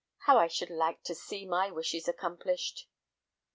How I should like to see my wishes accomplished!"